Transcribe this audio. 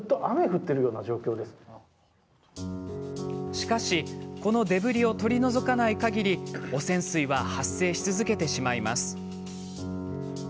しかし、このデブリを取り除かないかぎり、汚染水は発生し続けてしまいます。